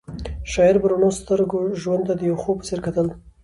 شاعر په رڼو سترګو ژوند ته د یو خوب په څېر کتل.